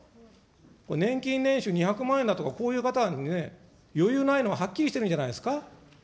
これ、年金年収２００万円だとか、こういう方にね、余裕ないのははっきりしているんじゃないですか。